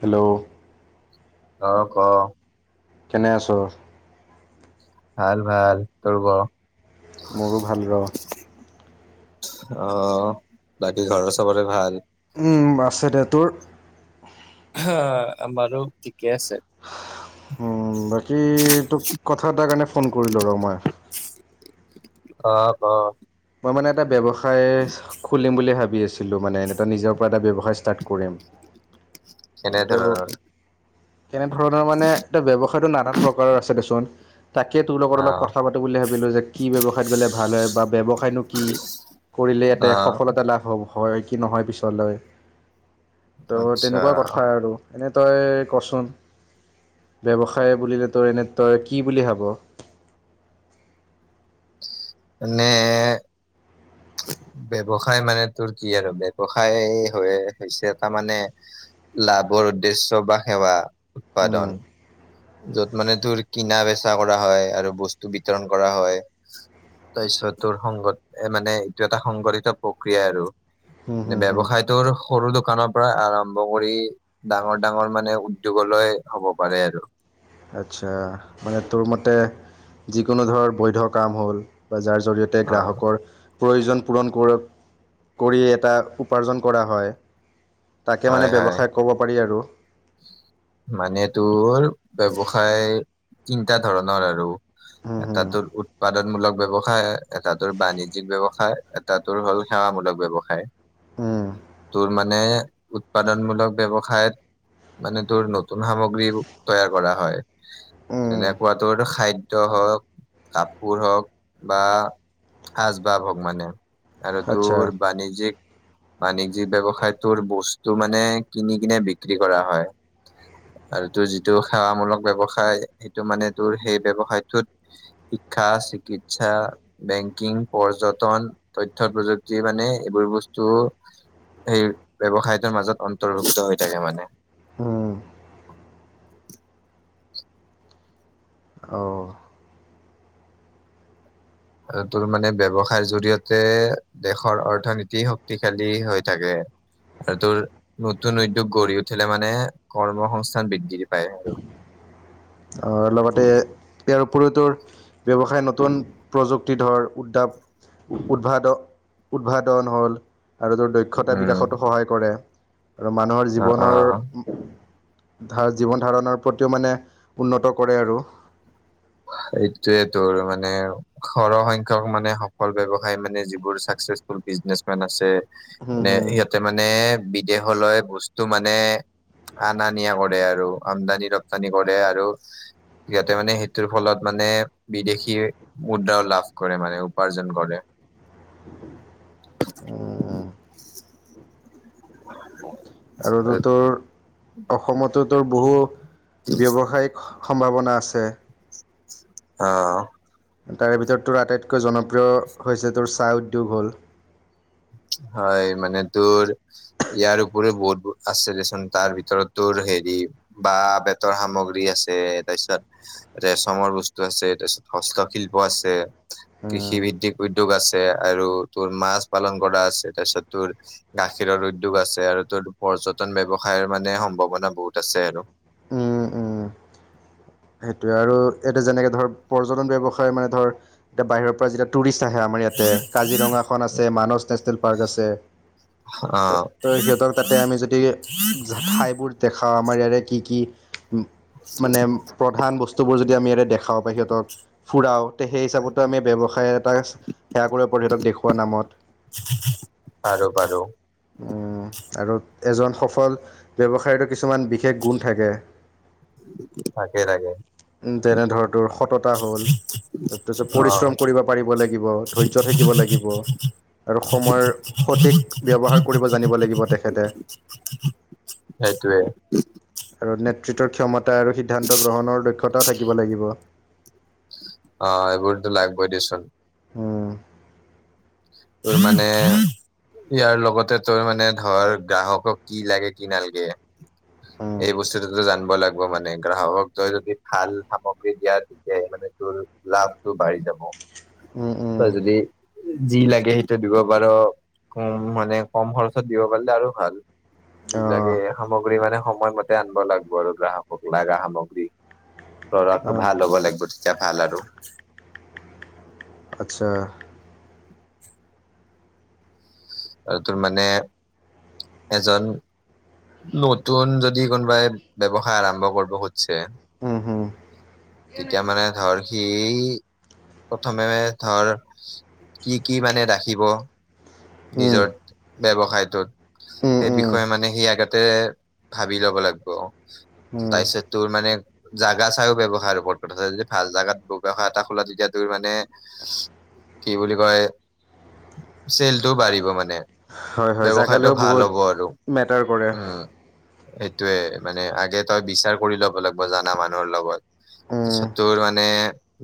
Hello অ ক কেনে আছ ভাল ভাল তোৰ ক মোৰো ভাল ৰ অ বাকী ঘৰৰ চবৰে ভাল উম আছে দে তোৰ আমাৰো ঠিক উম বাকী তোক কথা এটাৰ কাৰণে ফোন কৰিলো ৰ মই অ ক মই মানে এটা ব্যৱসায় খুলিম বুলি ভাবি আছিলোঁ মানে এনে এটা নিজৰ পৰা এটা ব্যৱসায় ষ্টাৰ্ট কৰিম তৌ কেনেধৰণৰ কেনেধৰণৰ মানে এতিয়া ব্যৱসায়টো নানান প্ৰকাৰৰ আছে দেচোন তাকে তোৰ লগত অলপ আহ কথা পাতো বুলি ভাবিলো যে কি ব্যৱসায়ত গ'লে ভাল হয় বা ব্যৱসায় কি কৰিলে য়াতে আহ সফলতা লাভ হ হয় কি নহয় পিছলে ত' আচ্ছা তেনেকুৱা কথা আৰু এনেই তই কচোন ব্যৱসায় বুলিলে তোৰ এনে তই কি বুলি ভাব নে [unintelligible] ব্যৱসায় মানে তোৰ কি আৰু ব্যৱসায় হৈ হৈছে তাৰ মানে লাভ উদ্দেশ্যে বা সেৱা উৎপাদন উম। য'ত মানে তোৰ কিনা বেচা কৰা হয় আৰু বস্তু বিতৰণ কৰা হয়। তাৰপিছত, তোৰ সংগত মানে এইটো এটা সংঘঠিত প্ৰক্ৰিয়া আৰু হুম এনে হুম হুম। ব্যৱসায়টোৰ সৰু দোকানৰ পৰা আৰম্ভ কৰি ডাঙৰ ডাঙৰ মানে উদ্যোগলৈ হ'ব পাৰে আৰু আচ্ছা, মানে তোৰ মতে যিকোনো ধৰ বৈধ কাম হ'ল বা যাৰ জৰিয়তে অ গ্ৰাহকৰ প্ৰয়োজন পূৰণ কৰ-কৰি এটা উপাৰ্জন কৰা হয়। তাকে, হয় মানে হয় ব্যৱসায় ক'ব পাৰি আৰু মানে তোৰ ব্যৱসায় তিনিটা ধৰণৰ আৰু উম হুম এটাৰ তোৰ উৎপাদক মূলক ব্যৱসায় এটাতোৰ বাণিজ্যিক ব্যয়ৱসায় এটাতোৰ হ'ল সেৱামূলক ব্যবসায়। উম। তোৰ মানে উৎপাদনমূলক ব্যৱসায়ত মানে তোৰ নতুন সামগ্ৰী তৈয়াৰ কৰা হয়। উম। তেনেকুৱা তোৰ খাদ্য হওঁক, কাপোৰ হওঁক বা আচবাব হওঁক মানে আৰু আচ্ছা। তোৰ বাণিজ্যিক বাণিজ্যিক ব্যৱসায় তোৰ বস্তু মানে কিনি কিনে বিক্ৰী কৰা হয়। আৰু তোৰ যিটো সেৱামূলক ব্যৱসায় সেইটো মানে তোৰ সেই ব্যৱসায়টোত শিক্ষা চিকিৎসা, বেংকিং, পৰ্যটন, তথ্যপ্ৰযুক্তিৰ মানে এইবোৰ বস্তু সেই ব্যৱসায়টোৰ মাজত অন্তৰ্ভুক্ত হৈ থাকে মানে। উম। অ'। তোৰ মানে ব্যৱসায়ৰ জৰিয়তে দেশৰ অৰ্থনীতি শক্তিশালী হৈ থাকে। আৰু তোৰ নতুন উদ্যোগ গঢ়ি উঠিলে মানে কৰ্মসংস্থান বৃদ্ধি পায় আৰু। অ' অ', লগতে ইয়াৰ উপৰিয়ো তোৰ ব্যৱসায় নতুন প্ৰযুক্তি ধৰ উদ্যাপ উদ্ভাদ-উদ্ভাদন হ'ল আৰু তেওঁৰ দক্ষতা উম বিকাশতো সহায় কৰে। আৰু মানুহৰ অ জীৱনৰ অ ধা-জীৱন‌ ধাৰণৰ প্ৰতিও মানে উন্নত কৰে আৰু। এইটোয়ে তোৰ মানে সৰহ সংখ্যক মানে সফল ব্যৱসায়ী মানে যিবোৰ চাক চাকচেছ ফুল বিজনেচ মেন আছে, হম নে হম ইহঁতে মানে বিদেশলৈ বস্তু মানে আনা নিয়া কৰে আৰু, আমদানি, ৰপ্তানি কৰে আৰু ইয়াতে মানে সেই টোৰ, ফলত মানে বিদেশীৰ মুদ্ৰাও লাভ কৰে, মানে উপাৰ্জন কৰে। উম। আৰুতো তোৰ অসমতো তোৰ বহু ব্যৱসায়িক সম্ভাৱনা আছে। অ'। তাৰে ভিতৰত তোৰ আটাইতকৈ জনপ্ৰিয় হৈছে, তোৰ চাহ উদ্যোগ হ'ল। হয়, মানে তোৰ ইয়াৰ উপৰিয়ো বহুত আছিল দেচোঁন তাৰ ভিতৰত তোৰ হেৰি বাহঁ বেতৰ সামগ্ৰী আছে, তাৰপিছত ৰেচমৰ বস্তু আছে, [unintelligible] হস্তশিল্প আছে, উম কৃষিভিত্তিক উদ্যোগ আছে, আৰু তোৰ মাছপালন কৰা আছে তাৰপিছত তোৰ গাখীৰৰ উদ্যোগ আছে, আৰু তোৰ পৰ্যটন ব্যবসায়ৰ মানে সম্ভাৱন না, বহুত আছে আৰু। উম, উম। সেইটোৱে আৰু এতিয়া যেনেকে ধৰ পৰ্যটন ব্যৱসায় মানে ধৰ, এতিয়া বাহিৰৰ পৰা যেতিয়া টুৰিষ্ট আহে, আমাৰ ইয়াতে। কাজিৰঙাখন আছে, মানস নেশ্বনেল পাৰ্ক আছে। অ ত-ত সিহঁতৰ তাতে, আমি যদি ঠাইবোৰ দেখা আ-আমাৰ ইয়াৰে কি, কি? মানে, প্ৰধান বস্তুবোৰ যদি আমি ইয়াৰে দেখা খাওঁ প্ৰায়, সিহঁতক ফুৰাওঁ। তে সেই হিচাপত আমি ব্যৱসায় এটা সেয়া কৰিব পাৰোঁ, সিহঁতক দেখোৱা নামত। [inaudible] পাৰু, পাৰু। উম, আৰু এজন সফল ব্যৱসায়তো, কিছুমান বিশেষ গুণ থাকে। তাকে, তাকে। উম, তেনে ধৰ তোৰ সততা হল। তাৰপিছত অ পৰিশ্ৰম কৰিব পাৰিব লাগিব, ধৈৰ্য্য থাকিব লাগিব। আৰু সময়ৰ সঠিক ব্যৱহাৰ কৰিব জানিব লাগিব, তেখেতে। সেইটোৱে। [unintelligible] ক্ষমতা আৰু সিদ্ধান্ত গ্ৰহণৰ দক্ষতা থাকিব লাগিব। অ [unintelligible] উম। তোৰ মানে? ইয়াৰ লগতে তোৰ মানে ধৰ, গ্ৰাহকক কি লাগে কি নালগে। এই বস্তুটোতো জান লাগব মানে গ্ৰাহক তই যদি ভাল সামগ্ৰী দিয়া তেতিয়া, মানে তোৰ লাভটো বাঢ়ি যাব। যাব। উম, উম। যি লাগে, সেইটো দিব পাৰো। কম মানে, কম খৰচত দিব পাৰিলে আৰু ভাল। [unintelligible] লাগে। সামগ্ৰী মানে সময়মতে আনব লাগব, আৰু গ্ৰাহকক লাগা সামগ্ৰী। প্ৰডাক্টটো অঁ হ'ব লাগব, তেতিয়া ভাল আৰু। আচ্ছা? আৰু, তোৰ মানে এজন নতুন যদি কোনবাই, ব্যৱসায় আৰাম্ভ কৰব খুজছে? উম, হুম, তেতিয়া মানে ধৰ, সি প্ৰথমে ধৰ, কি কি মানে ৰাখিব। উম, নিজৰ ব্যৱসায়টোত, উম, সেই উম, বিষয়ে মানে সি আগতে ভাবি ল'ব লাগব। উম, তাৰপিছত তোৰ মানে, জাগা চাইও ব্যৱসায়ৰ ওপৰত কথা। যদি ভাল জাগাত ব্যয়সায় এটা খোলা, তেতিয়া তোৰ। মানে, কি বুলি কয়? চেলটো বাঢ়িব মানে? হয় হয় ব্যৱসায়টো জাগালৈও ভাল বহুত হ'ব আৰু, মেটাৰ কৰে উম। সেইটোয়ে, মানে আগে তই বিচাৰ কৰি ল'ব লাগব জানা মানুহৰ লগত। উম, তাৰপিছত তোৰ মানে,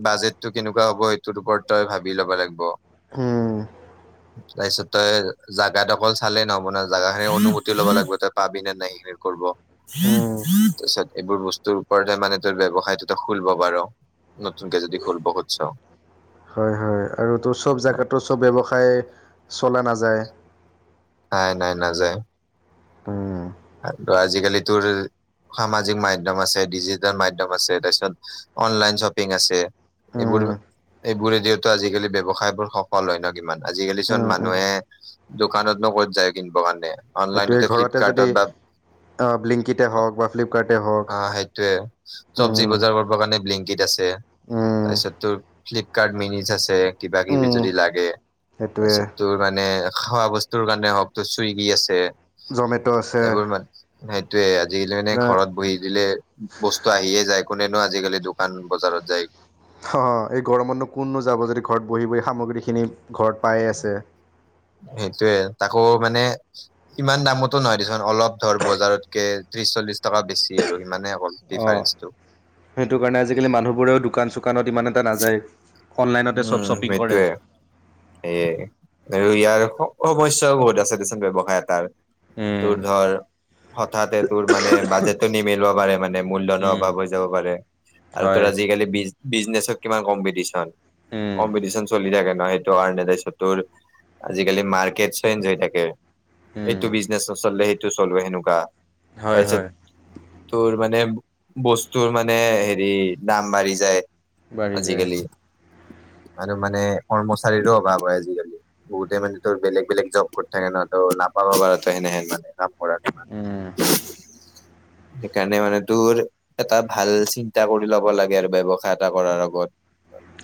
বাজেটতো কেনেকুৱা হ'ব সেইটোৰ ওপৰত তই ভাবি ল'ব লাগব। উম। তাৰপিছত, তই জা-জাগাত অকল চালে নহব নহয়। জাগা খিনিৰ অনুমূতি ল'ব লাগব, তই পাবিনে নাই সেইখিনি কৰ উম, তাৰিছত, এইবোৰ বস্তুৰ ওপৰতহে মানে তোৰ ব্যৱসায়তো তই খুলব পাৰ। নতুনকে যদি খুলব খোদছ'? হয়। হয় আৰু তোৰ চব জেগাতো, চব ব্যৱসায় চলা নাযায়। নাই, নাই, নাযায়। উম, আৰু আজিকালি তোৰ? সামাজিক মাধ্যম আছে, ডিজিটেল মাধ্যম আছে। তাৰপিছত, অনলাইন শ্বপিং আছে। এইবোৰ। উম, এইবোৰে দিয়েতো, আজিকালি ব্যৱসায় বোৰ সফল হয় নহ কিমান। আজিকালি চোন, উম, উম। মানুহে দোকানত ত' ক'ত যায় কিনবৰ কাৰণে? সেইটোৱে, অনলাইনতে ঘৰতে যদি ফ্লিপকাৰ্টত বা ব্লিংকিতে হওক বা ফ্লিপকাৰ্টেই হওক অ সেইটোয়ে চব্জি উম বজাৰ কৰিবৰ কাৰণে বিলিংকিত আছে। উম তাৰপিছত তোৰ ফ্লিপকাৰ্ট মিনিজ আছে কিবা কিবি উম যদি লাগে। সেইটোৱে তাৰপিছত তোৰ মানে, খোৱা বস্তুৰ কাৰণে হওক তোৰ চুইগী আছে। জমেট' আছে। এইবোৰ মান সেইটোয়ে, আজিকালি মানে এ, ঘৰত বহি দিলে বস্তু আহিয়ে যায়। কোনেনো আজিকালি দোকান বজাৰত যায়। অ', এই গৰমতনো কোননো যাব যদি ঘৰত বহি বহি সামগ্ৰীখিনি ঘৰত পায় আছে। টোৱে, তাকো মানে ইমান দামতো নহয় দেচোন, অলপ ধৰ বজাৰতকে ত্ৰিশ চল্লিশ টকা বেছি আৰু সিমানে অকল অঁ ডিফাৰেঞ্চটো। সেইটো কাৰণে আজিকালি মানুহবোৰেও দোকান চোকানত ইমান এটা নাযায়। অনলাইনতে উম চব শ্বপিং কৰে সেইটয়ে, সেইয়াই আৰু ইয়াৰ সমস্যাও বহুত আছে দেচোন ব্যৱসায় এটাৰ, উম তোৰ ধৰ হঠাতে তোৰ মানে বাজেটটো নিমেলিব পাৰে মানে মূলধনৰ উম অভাৱ হৈ যাব পাৰে। আৰু তোৰ হয় আজিকালি বিজ-বিজনেচত কিমান কম্পিটিশন, উম কম্পিটিশন চলি থাকে। সেইটো কাৰণে তাৰ্চত টোৰ, আজিকালি মাৰ্কেট চেঞ্জ হৈ থাকে। উম এইটো বিজনেচ নচললে সেইটো চলোৱা সেনেকুৱা। হয় তাৰিছত হয় তোৰ মানে বস্তুৰ মানে হেৰি দাম বাঢ়ি যায়। বাঢ়ি যায়। আজিকালি আৰু মানে কৰ্মচাৰীৰো অভাৱ হয় আজিকালি। বহুতে মানে তোৰ বেলেগ বেলেগ জব কৰি থাকে ন, ত নাপাব বাৰো এনেহেন মানে কৰাত। উম। সেইকাৰণে মানে তোৰ, এটা ভাল চিন্তা কৰি ল'ব লাগে আৰু ব্যৱসায় এটা কৰাৰ আগত।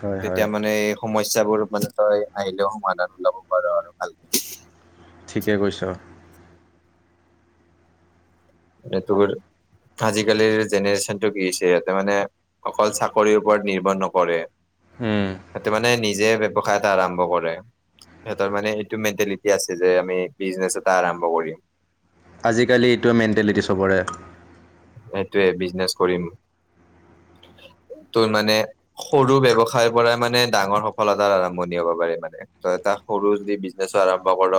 হয় হয় তেতিয়া মানে এই সমস্যাবোৰ মানে তই আহিলেও সমাধান ওলাব পাৰ আৰু ভালকে। ঠিকে কৈছ। মানে টোৰ আজিকালিৰ জেনেৰেশ্যন টো কি হৈছে সহঁতে মানে, অকল চাকৰিৰ ওপৰত নিৰ্ভৰ নকৰে। উম সেইটো মানে নিজে ব্যৱসায় এটা আৰম্ভ কৰে। সিহতৰ মানে এইটো মেণ্টেলিটি আছে যে আমি বিজনেচ এটা আৰম্ভ কৰিম। আজিকালি এইটোৱে মেণ্টেলিটি চবৰে। সেইটোৱে বিজনেছ কৰিম। তোৰ মানে সৰু ব্যৱসায় পৰাই মানে ডাঙৰ সফলতাৰ আৰম্ভণি হ'ব পাৰি মানে। ত এটা সৰু যদি বিজনেছো আৰম্ভ কৰ।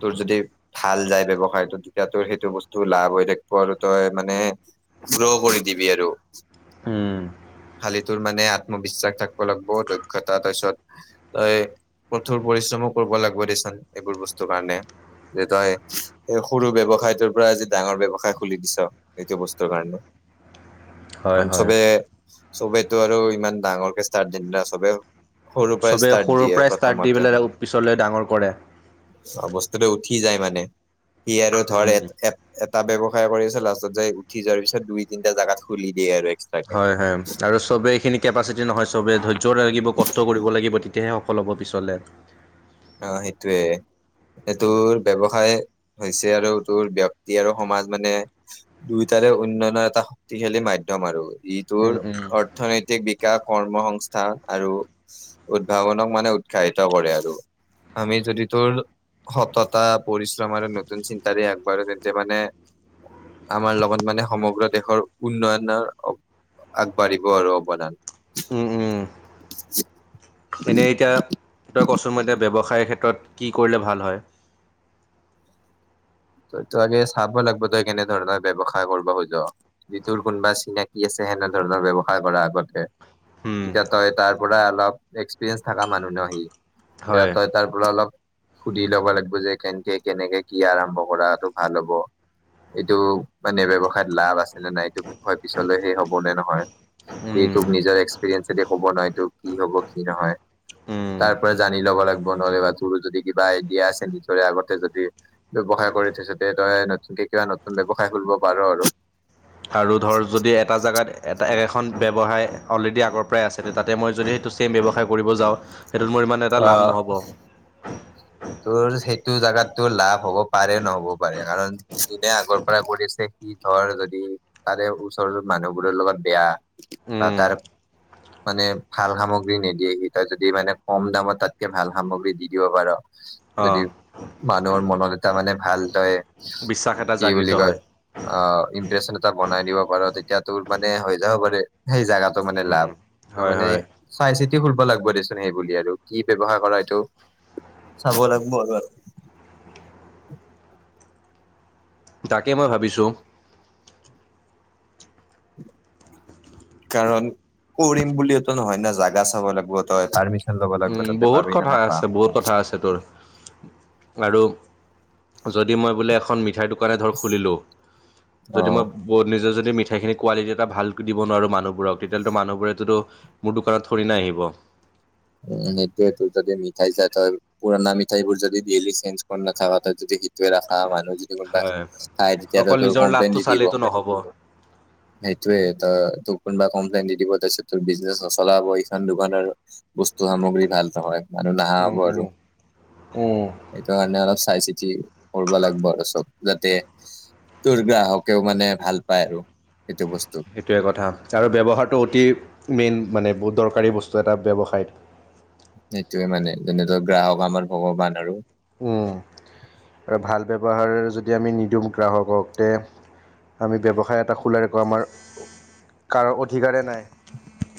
তোৰ যদি ভাল যায় ব্যৱসায়তো তেতিয়া তোৰ সেইটো বস্তু লাভ হৈ থাকিব আৰু তই মানে গ্ৰ' কৰি দিবি আৰু। উম, শালিটোৰ মানে আত্মবিশ্বাস থাকিব লাগিব দক্ষতা তাৰপিছত, তই কঠোৰ পৰিশ্ৰমো কৰিব লাগিব দেচ এইবোৰ বস্তুৰ কাৰণে। যে তই, এই সৰু ব্যৱসাইটোৰ পৰা যি ডাঙৰ ব্যৱসায় খুলি দিছ এইটো বস্তুৰ কাৰণে, হয় কাৰণ হয়। চবে চবেইতো আৰু ইমান ডাঙৰকে ষ্টাৰ্ দিননা চবে সৰুৰ পৰাই চবে ষ্টাৰ্ট সৰুৰ দিয়ে পৰাই ষ্টাৰ্ট দি প্ৰথমতে পেলাই পিছলৈ ডাঙৰ কৰে। অ' বস্তুটো উঠি যায় মানে, সি আৰু ধৰ এ-এ-এটা ব্যৱ সাই পৰি আছে লাষ্টত যাই উঠি যোৱাৰ পিছত দুই তিনিটা জোগাত খুলি দিয়ে আৰু। এক্সট্ৰাকে। হয় হয়, আৰু চবেই এইখিনি কেপাচিটি নহয় চবে ধৈৰ্য লাগিব কষ্ট কৰিব লাগিব তেতিয়াহে ফল'ব পিছলৈ। অ' সেইতোৱে। এইটোৰ ব্যৱসায় হৈছে আৰু তোৰ ব্যক্তি আৰু সমাজ মানে দুইটা উন্নয়নৰ এটা শক্তিশালী মাধ্যম আৰু উম ইটোৰ উম অৰ্থনৈতিক বিকাশ কৰ্মসস্থ আৰু উদ্ভাৱনক মানে উৎসাহিত কৰে আৰু আমি যদি তোৰ সততা পৰিশ্ৰম আৰু নতুন চিন্তাৰে আগবাঢ়ো তেন্তে মানে আমাৰ লগত মানে সমগ্ৰ দেশৰ উন্নয়নৰ আগবাঢ়িব আৰু অৱদান উম উম এনেই এতিয়া তই কচোন মই এতিয়া ব্যৱসায় খায় ক্ষেত্ৰত কি কৰিলে ভাল হয় তই তো আগে চাব লাগিব তই কেনে ধৰণৰ ব্যৱসায় কৰিব খোজ যি তোৰ কোনোবা চিনাকি আছে তেনে ধৰণৰ ব্যৱসায় কৰাৰ আগতে উম তেতিয়া তই তাৰ পৰা অলপ এক্সপিৰিয়েঞ্চ থকা মানুহ ন হি এ হয় তই তাৰ পৰা অলপ সুধি ল'ব লাগিব যে কেনেকে কেনেকে কি আৰম্ভ কৰাটো ভাল হ'ব এইটো মানে ব্যৱসায়ত লাভ আছিলে নাই এইটো বিষয় পিছলৈ সেই হব নে নহয় এই উম তোক নিজৰ এক্সপেৰিয়েঞ্চে দি কৱ নহয় তোক কি হব কি নহয় উম তাৰ পৰা জানি ল'ব লাগিব নহ'লে বা তোৰো যদি কিবা আইডিয়া আছে নিজৰে আগতে যদি ব্যৱসায় কৰি থৈছ তে তই নতুনকে কিবা নতুন ব্যৱসায় খুলিব পাৰ আৰু আৰু ধৰ যদি এটা জেগাত এটা এখন ব্যৱসায় অলৰেডি আগৰ পৰাই আছিলে তাতে মই যদি সেইটো ছেম ব্যৱসায় কৰিব যাওঁ সেইটোত মোৰ ইমান এটা অ লাভ নহ'ব তোৰ সেইটো জাগাত তো লাভ হ'ব পাৰে নহ'ব পাৰে কাৰণ যোনে আগৰ পৰাই কৰিছে সি ধৰ যদি তাৰে ওচৰ মানুহবোৰৰ লগত বেয়া বা উম তাৰ মানে ভাল সামগ্ৰী নিদিয়ে হি তই যদি মানে কম দামত তাতকে ভাল সামগ্ৰী দি দিব পাৰ যদি অ' মানুহৰ মনত এটা মানে ভাল তই বিশ্বাস এটা কি বুলি জাগৃত কয় হয়। অহ ইমপ্ৰেচন এটা বনাই দিব পাৰ তেতিয়া তোৰ মানে হৈ যাব পাৰে সেই জাগাতো মানে উম, লাভ হয় মানে হয় চাই চিতি খুলব লাগিব দেচোন সেইবুলি আৰু কি ব্যৱহাৰ কৰা এইটো চাব লাগিব এ তাকে মই ভাবিছোঁ [unintelligible] কাৰণ কৰিম বুলিটো নহয় না জাগা চাব লাগব তই পাৰ্মিচন লব লাগব উম বহুত কথা আছে বহুত কথা আছে তোৰ আৰু যদি মই বোলে এখন মিঠাইৰ দোকানে ধৰ খুলিলো যদি অ মই নিজে যদি মিঠ মিঠাইখিনি কোৱালিটি এটা ভালকে দিব নোৱাৰোঁ মানুহবোৰক তেতিয়াহ'লেতো মানুহবোৰেতো মোৰ দোকানত থৰি না আহিব উম সেইটোয়েতো যদি মিঠাই চিঠাই তই পুৰণা মিঠাইবোৰ যদি ডেইলি চেঞ্জ কৰি নাথাক তই যদি সেতোৱে ৰাখা মানুহ কোনোবা হয় খাই তেতিয়াতো অকল তোৰ নিজৰ কমপ্লেইন লাভটো দি দিব চালেইতো নহ'ব সেইটোয়ে ত তোক কোনোবা কমপ্লেইন দি দিব তাছত তোৰ বিজনেচ নচলা হব এই দোকানৰ বস্তু সামগ্ৰী ভাল নহয় মানুহ নাহা হ'ব উম, আৰু উম, উম, সেইটো কাৰণে অলপ চাই চিতি কৰিব লাগব চব যাতে দুৰ্গা হকেও মানে ভাল পায় আৰু সেইটো বস্তু সেইটোৱে কথা আৰু ব্যৱহাৰটো অতি মেইন মানে বহুত দৰকাৰী বস্তু এটা ব্যৱসায়ত সেইটোৱে মানে যেনেদৰে গ্ৰাহক আমাৰ ভগৱান আৰু উম, আৰু ভাল ব্যৱহাৰ যদি আমি নিদিওঁ গ্ৰাহকক তে আমি ব্যৱসায় এটা খোলাই ৰাখব আমাৰ কাৰো অধিকাৰেই নাই